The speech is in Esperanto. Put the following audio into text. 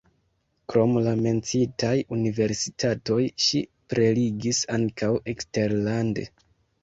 Krom la menciitaj universitatoj ŝi prelegis ankaŭ eksterlande.